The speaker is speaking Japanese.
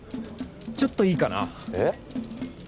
ちょっといいかなえっ？